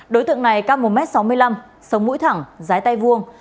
đối tượng này cao một m sáu mươi năm sông mũi thẳng giái tay vuông